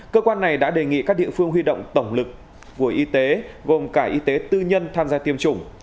cơ quan này đã đề nghị các địa phương huy động tổng lực của y tế gồm cả y tế tư nhân tham gia tiêm chủng